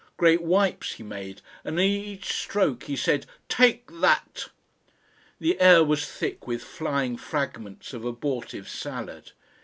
Great wipes he made, and at each stroke he said, "Take that!" The air was thick with flying fragments of abortive salad.